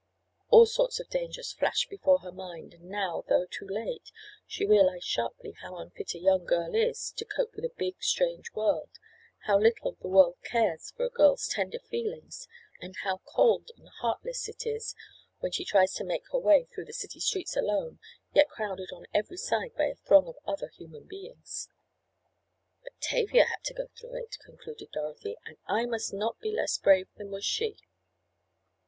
All sorts of dangers flashed before her mind, and now, though too late, she realized sharply how unfit a young girl is to cope with a big, strange world, how little the world cares for a girl's tender feelings, and how cold and heartless it is when she tries to make her way through the city streets alone, yet crowded on every side by a throng of other human beings. "But Tavia had to go through it," concluded Dorothy, "and I must not be less brave than was she."